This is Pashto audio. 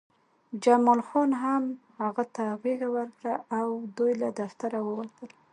جمال خان هم هغه ته غېږه ورکړه او دوی له دفتر ووتل